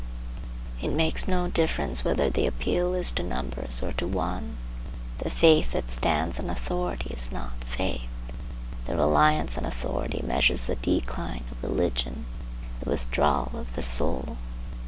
It makes no difference whether the appeal is to numbers or to one. The faith that stands on authority is not faith. The reliance on authority measures the decline of religion, the withdrawal of the soul.